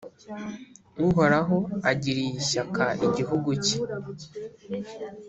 Uhoraho agiriye ishyaka igihugu cye,